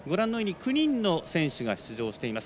９人の選手が登場します。